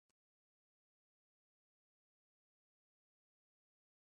ko iki cyorezo gishobora kwica Abanyamerika benshi